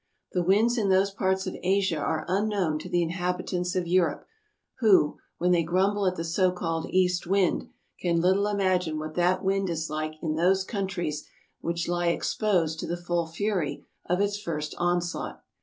The winds in those parts of Asia are unknown to the inhabitants of Europe, who, when they grumble at the so called east wind, can little imagine what that wind is like in those countries which lie exposed to the full fury of its first onslaught.